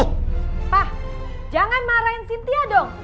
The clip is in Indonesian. hah jangan marahin cynthia dong